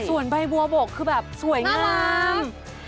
ส่วนใบบัวบกคือแบบสวยงาม